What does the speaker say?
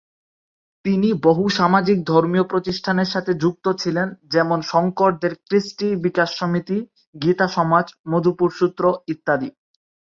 তিনি বহু সামাজিক-ধর্মীয় প্রতিষ্ঠানের সাথে যুক্ত ছিলেন, যেমন সংকরদেব-ক্রিস্টি বিকাশ সমিতি, গীতা সমাজ, মধুপুর সুত্র ইত্যাদি।